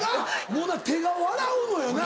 もうな手が笑うのよな